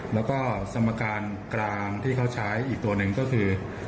แล้วก็สมการกลางที่เขาใช้อีกตัวหนึ่งก็คือ